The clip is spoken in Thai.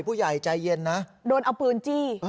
ผู้ใหญ่ใจเย็นนะโดนเอาปืนจี้